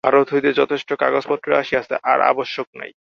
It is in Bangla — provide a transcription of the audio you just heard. ভারত হইতে যথেষ্ট কাগজপত্র আসিয়াছে, আর আবশ্যক নাই।